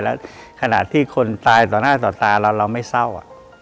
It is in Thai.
แล้วขณะที่คนตายต่อหน้าต่อตาเราเราไม่เศร้า